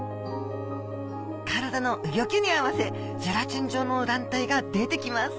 体のうギョきに合わせゼラチン状の卵帯が出てきます